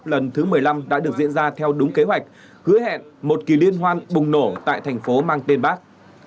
lần thứ một mươi năm đã được diễn ra theo đúng kế hoạch hứa hẹn một kỳ liên hoan bùng nổ tại thành phố mang tên bác